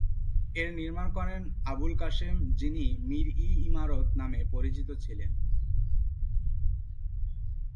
এর নির্মাণ করেন আবুল কাসেম যিনি মীর-ই-ইমারত নামে পরিচিত ছিলেন।